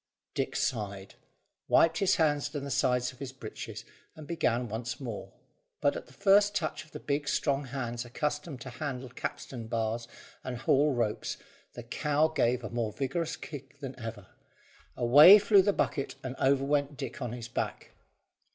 Dick sighed, wiped his hands down the sides of his breeches, and began once more, but at the first touch of the big strong hands accustomed to handle capstan bars and haul ropes, the cow gave a more vigorous kick than ever; away flew the bucket, and over went Dick on his back.